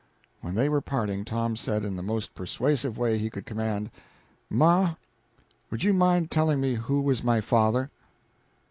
When they were parting, Tom said, in the most persuasive way he could command "Ma, would you mind telling me who was my father?"